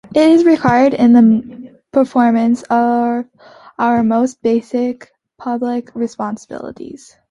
It is required in the performance of our most basic public responsibilities.